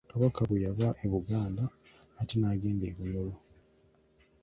Kabaka bwe yava e Buganda ate n'agenda e Bunyoro.